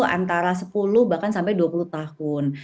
antara sepuluh bahkan sampai dua puluh tahun